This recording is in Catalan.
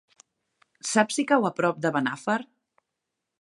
Saps si cau a prop de Benafer?